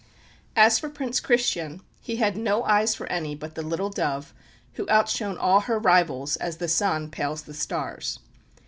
As for Prince Christian, he had no eyes for any but the "little dove" who outshone all her rivals as the sun pales the stars.